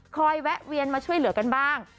แวะเวียนมาช่วยเหลือกันบ้าง